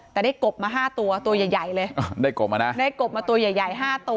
แต่ได้กบมาห้าตัวตัวใหญ่ใหญ่เลยได้กบมานะได้กบมาตัวใหญ่ใหญ่ห้าตัว